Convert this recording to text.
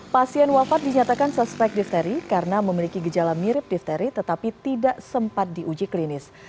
pasien wafat dinyatakan suspek difteri karena memiliki gejala mirip difteri tetapi tidak sempat diuji klinis